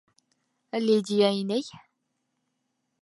Лидия инәй!